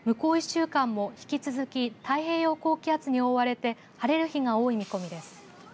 １週間も引き続き太平洋高気圧に覆われて晴れる日が多い見込みです。